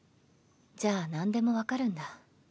じゃあなんでも分かるんだ。